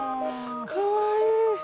かわいい！